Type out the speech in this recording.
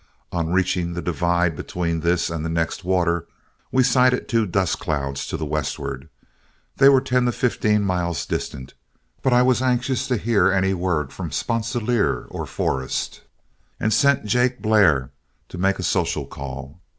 On reaching the divide between this and the next water, we sighted two dust clouds to the westward. They were ten to fifteen miles distant, but I was anxious to hear any word of Sponsilier or Forrest, and sent Jake Blair to make a social call.